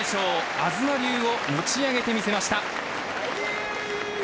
東龍を持ち上げてみせました。